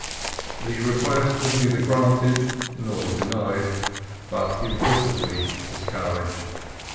The request was neither granted nor denied, but implicitly discouraged.